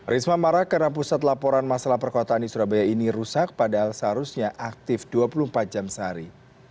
risma marah karena pusat laporan masalah perkotaan di surabaya ini rusak padahal seharusnya aktif dua puluh empat jam sehari